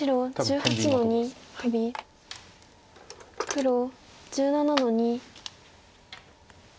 黒１７の二。